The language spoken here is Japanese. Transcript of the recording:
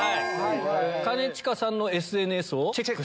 兼近さんのＳＮＳをチェック。